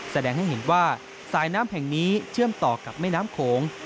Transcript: แสดงให้เห็นว่าสายน้ำแห่งนี้เชื่อมต่อกับแม่น้ำโขง